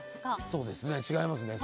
そうですね違いますね